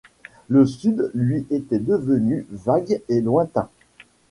Le Sud lui était devenu vague et lointain.